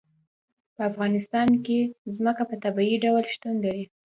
په افغانستان کې ځمکه په طبیعي ډول شتون لري.